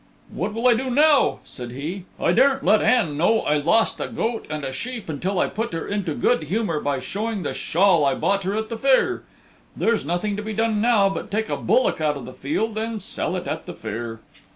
"What will I do now?" said he. "I daren't let Ann know I lost a goat and a sheep until I put her into good humor by showing the shawl I bought her at the fair. There's nothing to be done now, but take a bullock out of the field and sell it at the fair."